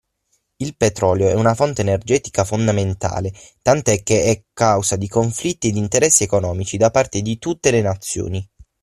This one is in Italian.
Il petrolio è una fonte energetica fondamentale tant'è che è causa di conflitti ed interessi economici da parte di tutte le nazioni.